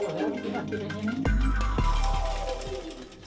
bukan berpengaruh berpengaruh